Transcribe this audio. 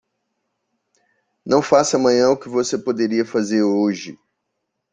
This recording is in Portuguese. Não faça amanhã o que você poderia fazer hoje.